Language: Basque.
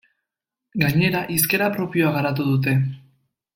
Gainera, hizkera propioa garatu dute.